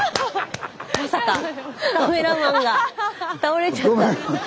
まさかカメラマンが倒れちゃった！